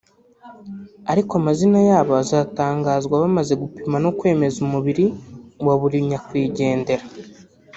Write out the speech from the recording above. ariko amazina yabo azatangazwa bamaze gupima no kwemeza umubiri wa buri nyakwigendera